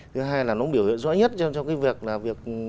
thứ hai là nó biểu hiện rõ nhất trong việc